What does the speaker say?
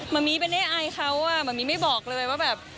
มะมี่เบเน่อายเขาอะมะมี่ไม่บอกเลยว่าแบบ